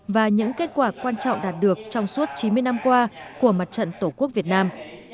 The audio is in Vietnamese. và những kết quả quan trọng đạt được trong suốt chín mươi năm qua của mặt trận tổ quốc việt nam